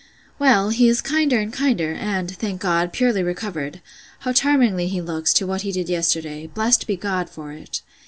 Well, he is kinder and kinder, and, thank God, purely recovered!—How charmingly he looks, to what he did yesterday! Blessed be God for it!